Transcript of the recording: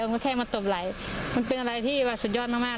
ก็แค่มาตบไหลมันเป็นอะไรที่แบบสุดยอดมากมาก